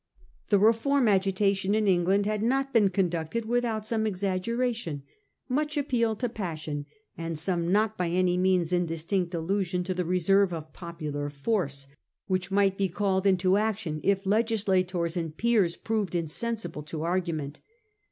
The Eeform agitation in England had not been con ducted without some exaggeration, much appeal to passion, and some not by any means indistinct allusion to the reserve of popular force which might be called into action if legislators and peers proved insensible to argument.